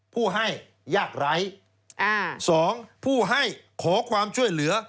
ผู้ให้ยากไร้สองผู้ให้ขอความช่วยเหลือ